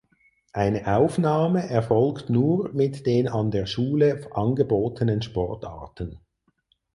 Eine Aufnahme erfolgt nur mit den an der Schule angebotenen Sportarten.